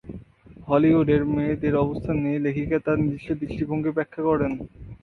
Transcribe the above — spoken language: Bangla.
হলিউডের মেয়েদের অবস্থান নিয়ে লেখিকা তার নিজস্ব দৃষ্টিভঙ্গি ব্যাখ্যা করেন।